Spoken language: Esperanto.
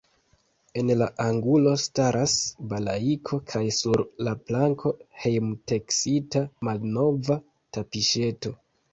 En la angulo staras balailo kaj sur la planko hejmteksita malnova tapiŝeto.